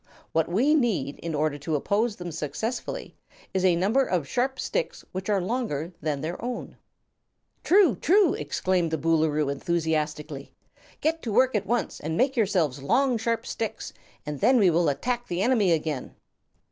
What we need, in order to oppose them successfully, is a number of sharp sticks which are longer than their own." "True true!" exclaimed the Boolooroo, enthusiastically. "Get to work at once and make yourselves long sharp sticks, and then we will attack the enemy again."